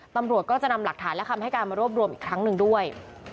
ตำรวจก็จะนำหลักฐานและคำให้การมารวบรวมอีกครั้งหนึ่งด้วย